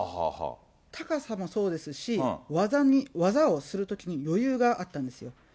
高さもそうですし、技をするときに余裕があったんですよ。